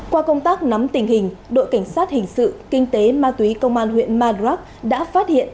qua công tác nắm tình hình đội cảnh sát hình sự kinh tế ma túy công an huyện madrak đã phát hiện